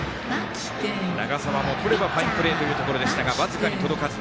長澤もとればファインプレーというところでしたが僅かに届かず。